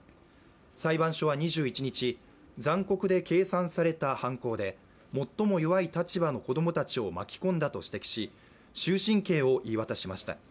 裁判所は２１日、残酷で計算された犯行で最も弱い立場の子供たちを巻き込んだと指摘し終身刑を言い渡しました。